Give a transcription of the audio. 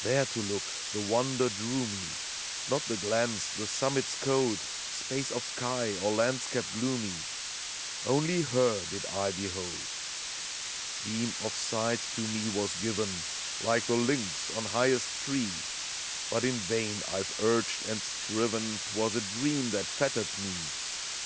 159 There to look, the Wonder drew me : Not the glens, the summits cold, Space of sky ,or landscape gloomy, — Only Her did I behold. Beam of sight to me was given, Like the lynx on highest tree; But in vain IVe urged and striven, 'T was a dream that fettered me.